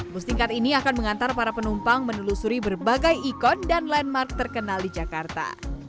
bus tingkat ini akan mengantar para penumpang menelusuri berbagai ikon dan landmark terkenal di jakarta